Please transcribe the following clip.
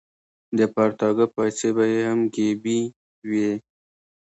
د پرتاګه پایڅې به یې هم ګیبي وې.